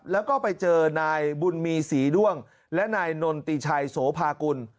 แล้วก็ไปเจอนายบุญมีศรีด้วงและนายนนติชัยโสภากุล